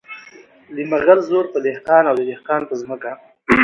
د مغل زور په دهقان د دهقان په ځمکه .